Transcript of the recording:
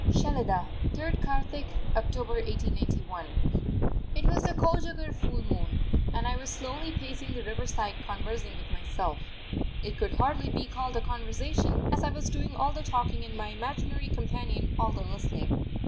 SHELIDAH, 3_rd Kartik_ (October) 1891. It was the Kojagar full moon, and I was slowly pacing the riverside conversing with myself. It could hardly be called a conversation, as I was doing all the talking and my imaginary companion all the listening.